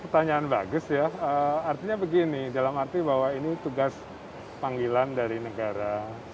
pertanyaan bagus ya artinya begini dalam arti bahwa ini tugas panggilan dari negara